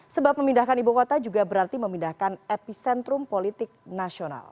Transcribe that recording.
sebab memindahkan ibu kota juga berarti memindahkan epicentrum politik nasional